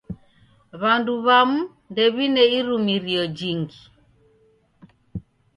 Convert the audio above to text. W'andu w'amu ndew'ine irumirio jhingi.